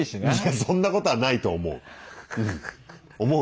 そんなことはないと思ううん。